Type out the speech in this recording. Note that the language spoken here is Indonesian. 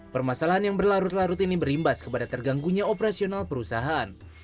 permasalahan yang berlarut larut ini berimbas kepada terganggunya operasional perusahaan